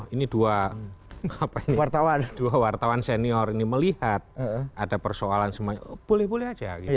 ini dua wartawan senior ini melihat ada persoalan semuanya boleh boleh aja gitu